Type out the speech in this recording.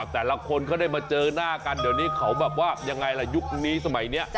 แต่ละคนเขาได้มาเจอหน้ากันเดี๋ยวนี้เขาแบบว่ายังไงล่ะยุคนี้สมัยนี้